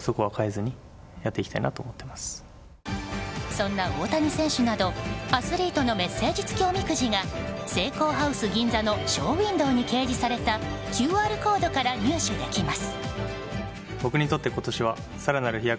そんな大谷選手などアスリートのメッセージ付きおみくじがＳＥＩＫＯＨＯＵＳＥＧＩＮＺＡのショーウィンドーに掲示されたＱＲコードから入手できます。